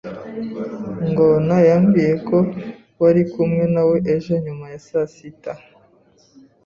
Ngona yambwiye ko wari kumwe nawe ejo nyuma ya saa sita.